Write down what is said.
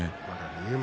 入幕